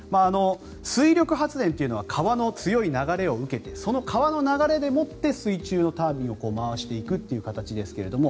水力発電というのは川の強い流れを受けてその川の流れでもって水中のタービンを回していくという形ですが。